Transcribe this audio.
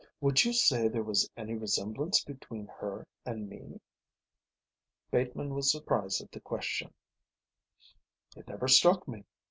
Would you say there was any resemblance between her and me?" Bateman was surprised at the question. "It never struck me.